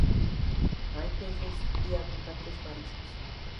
Hay peces y abundantes mariscos.